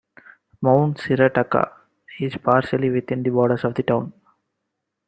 Mount Shirataka is partially within the borders of the town.